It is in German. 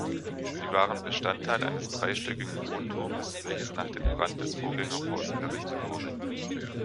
Sie waren Bestandteil eines dreistöckigen Wohnturmes, welches nach dem Brand des Vorgängerbaus errichtet wurde.